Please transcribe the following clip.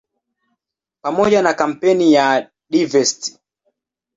Pamoja na kampeni ya "Divest!